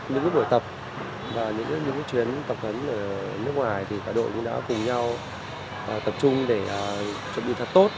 những buổi tập và những chuyến tập huấn ở nước ngoài thì cả đội cũng đã cùng nhau tập trung để chuẩn bị thật tốt